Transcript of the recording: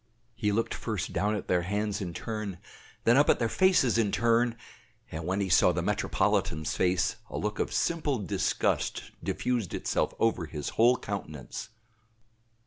He looked first down at their hands in turn, then up at their faces in turn, and when he saw the metropolitan's face a look of simple disgust diffused itself over his whole countenance.